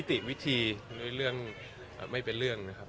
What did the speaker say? ด้วยนิติวิธีด้วยเรื่องไม่เป็นเรื่องนะครับ